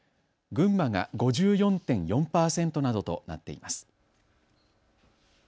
群馬が５４．４％などとなっています。